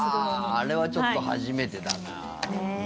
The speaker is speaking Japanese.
あれはちょっと初めてだな。